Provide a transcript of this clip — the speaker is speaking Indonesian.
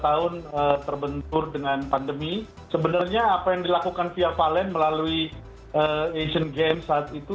tahun terbentur dengan pandemi sebenarnya apa yang dilakukan via valen melalui asian games saat itu